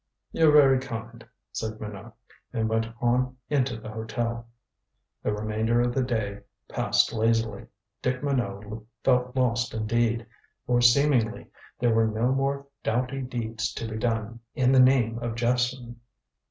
"You're very kind," said Minot, and went on into the hotel. The remainder of the day passed lazily. Dick Minot felt lost indeed, for seemingly there were no more doughty deeds to be done in the name of Jephson.